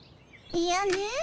いやねえ